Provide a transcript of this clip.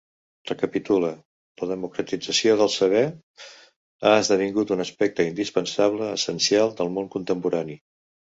Recapitule: la democratització del saber ha esdevingut un aspecte indispensable, essencial, del món contemporani.